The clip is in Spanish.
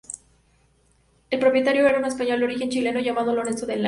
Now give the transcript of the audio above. El propietario era un español de origen chileno, llamado Lorenzo de Lara.